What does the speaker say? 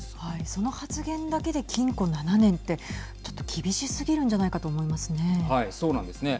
その発言だけで禁錮７年ってちょっと厳しすぎるんじゃないかと思いますね。